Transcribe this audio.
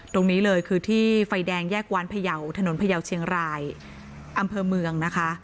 ตรงนี้เลยคือที่ไฟแดงแยกวานพยาวถนนพยาวเชียงรายอำเภอเมืองนะคะ